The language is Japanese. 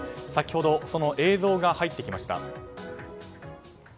先ほどその映像が入ってきました。